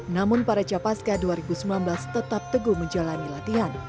namun para capaska dua ribu sembilan belas tetap teguh menjalani latihan